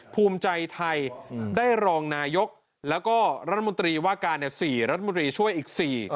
ภูมิใจไทยได้รองนายกแล้วก็รัฐมนตรีว่าการ๔รัฐมนตรีช่วยอีก๔